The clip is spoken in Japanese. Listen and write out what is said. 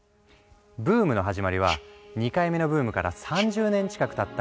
ブームの始まりは２回目のブームから３０年近くたった２０１２年。